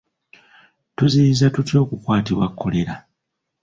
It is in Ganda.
Tuziyiza tutya okukwatibwa Kkolera?